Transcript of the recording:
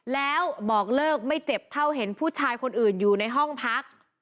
แล้วบอกเลิกไม่เจ็บเท่าเห็นผู้ชายคนอื่นอยู่ในห้องพัก